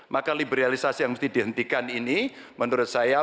maka liberalisasi yang mesti dihentikan ini menurut saya